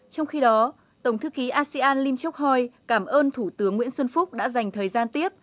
trong khi đó tổng thư ký asean lim chok hoi cảm ơn thủ tướng nguyễn xuân phúc đã dành thời gian tiếp